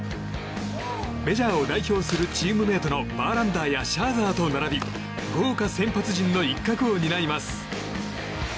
メジャーを代表するチームメートのバーランダーやシャーザーと並び豪華先発陣の一角を担います。